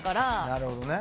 なるほどね。